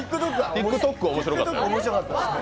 ＴｉｋＴｏｋは面白かった？